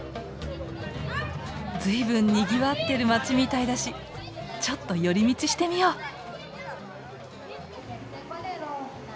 随分にぎわってる町みたいだしちょっと寄り道してみよう。